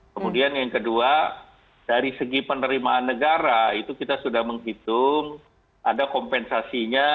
kemudian yang kedua dari segi penerimaan negara itu kita sudah menghitung ada kompensasinya